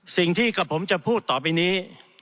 สิ่งที่กับผมจะพูดต่อไปนี้